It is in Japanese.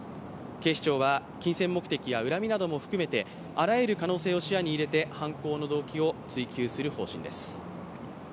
警視庁は、金銭目的や恨みなども含めてあらゆる可能性を視野に入れて犯行の動機を追及する方針です。